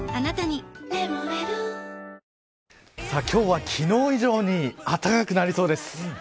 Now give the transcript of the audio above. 今日は昨日以上に暖かくなりそうです。